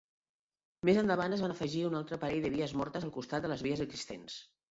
Més endavant es van afegir un altre parell de vies mortes al costat de les vies existents.